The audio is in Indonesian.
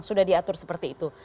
sudah diatur seperti itu